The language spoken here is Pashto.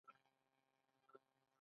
کاناډا یو پرمختللی اقتصادي هیواد دی.